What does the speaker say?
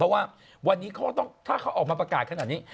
วันนี้เขาต้องถ้าเขาออกมาประกาศขนาดนี้